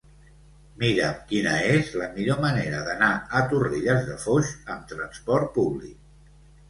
Mira'm quina és la millor manera d'anar a Torrelles de Foix amb trasport públic.